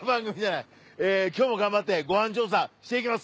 今日も頑張ってご飯調査していきます！